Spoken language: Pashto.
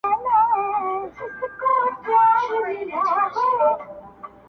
جانان مي په اوربل کي سور ګلاب ټومبلی نه دی,